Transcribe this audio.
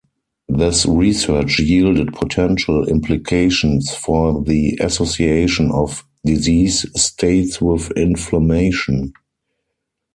This research yielded potential implications for the association of disease states with inflammation.